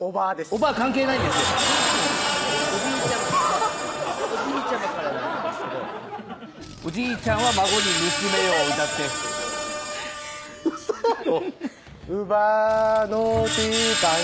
おばあ関係ないんですよおばおじいちゃまからなんですけどおじいちゃんは孫に娘よを歌ってウソやろ？